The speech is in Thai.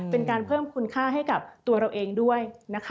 เป็นการเพิ่มคุณค่าให้กับตัวเราเองด้วย